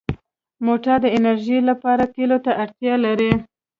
موټر د انرژۍ لپاره تېلو ته اړتیا لري.